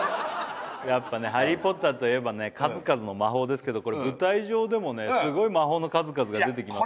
やっぱね「ハリー・ポッター」といえばね数々の魔法ですけどこれ舞台上でもねすごい魔法の数々が出てきます